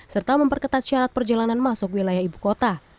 serta memperketat syarat perjalanan masuk wilayah ibu kota